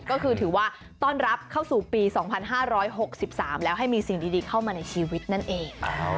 ก็คือถือว่าต้อนรับเข้าสู่ปี๒๕๖๓แล้วให้มีสิ่งดีเข้ามาในชีวิตนั่นเอง